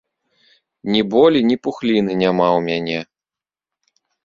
Ні болі, ні пухліны няма ў мяне.